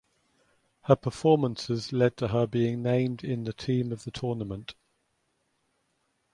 Her performances led to her being named in the Team of the Tournament.